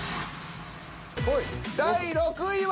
第６位は。